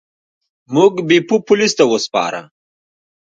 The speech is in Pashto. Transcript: موږ بیپو پولیسو ته وسپاره.